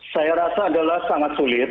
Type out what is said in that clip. saya rasa adalah sangat sulit